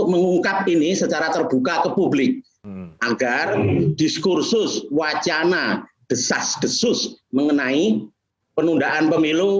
mengungkap ini secara terbuka ke publik agar diskursus wacana desas desus mengenai penundaan pemilu